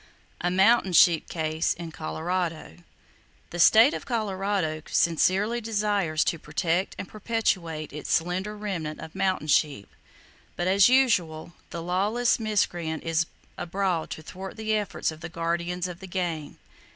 A Mountain Sheep Case In Colorado. —The state of Colorado sincerely desires to protect and perpetuate its slender remnant of mountain sheep, but as usual the Lawless Miscreant is abroad to thwart the efforts of the guardians of the game.